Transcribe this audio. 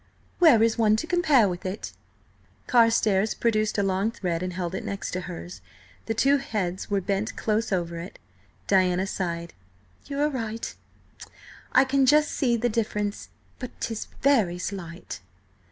Where is one to compare with it?" Carstares produced a long thread and held it next to hers. The two heads were bent close over it. Diana sighed. "You are right; I can just see the difference. But 'tis very slight!"